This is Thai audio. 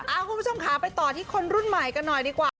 คุณผู้ชมค่ะไปต่อที่คนรุ่นใหม่กันหน่อยดีกว่า